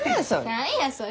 何やそれ。